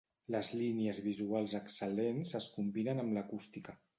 Les línies visuals excel·lents es combinen amb l'acústica.